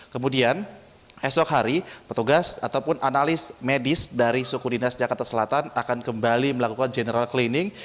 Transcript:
kemudian esok hari petugas ataupun analis medis dari suku dinas jakarta selatan akan kembali melakukan general cleaning